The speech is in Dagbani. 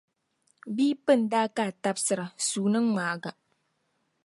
Bɛ yi pinda a ka a tabisira, sua ni ti ŋmaag’ a.